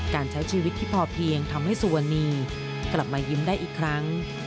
การใช้ชีวิตที่พอเพียงทำให้สุวรรณีกลับมายิ้มได้อีกครั้ง